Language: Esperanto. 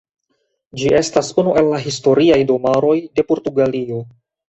Ĝi estas unu el la Historiaj Domaroj de Portugalio.